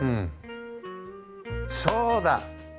そうだ！